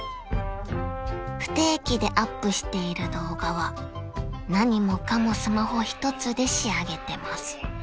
［不定期でアップしている動画は何もかもスマホ一つで仕上げてます］